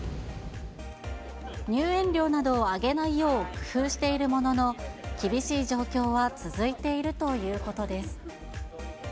入園料などを上げないよう工夫しているものの、厳しい状況は続いているということです。